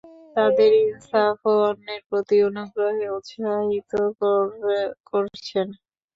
তাদের ইনসাফ ও অন্যের প্রতি অনুগ্রহে উৎসাহিত করছেন।